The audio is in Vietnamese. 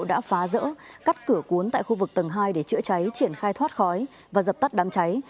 đã phá rỡ cắt cửa cuốn tại khu vực tầng hai để chữa cháy triển khai thoát khói và dập tắt đám cháy